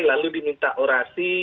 lalu diminta orasi